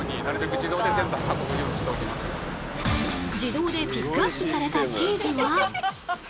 自動でピックアップされたチーズは。